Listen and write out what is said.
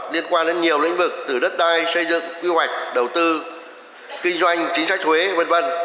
liên quan đến nhiều lĩnh vực từ đất đai xây dựng quy hoạch đầu tư kinh doanh chính sách thuế v v